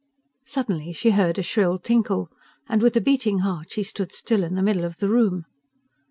Suddenly she heard a shrill tinkle, and with a beating heart she stood still in the middle of the room.